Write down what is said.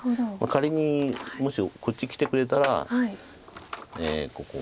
仮にもしこっちきてくれたらここ。